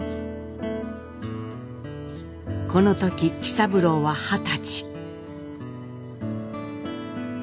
この時喜三郎は二十歳。